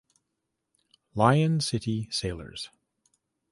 Lion City Sailors